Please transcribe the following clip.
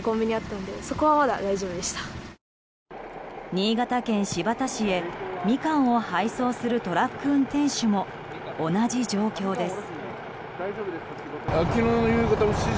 新潟県新発田市へミカンを配送するトラック運転手も同じ状況です。